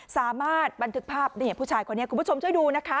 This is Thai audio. สามารถบันทึกภาพผู้ชายคนนี้คุณผู้ชมช่วยดูนะคะ